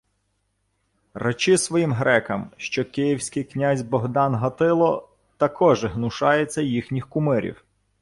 — Речи своїм грекам, що київський князь Богдан Гатило такоже гнушається їхніх кумирів.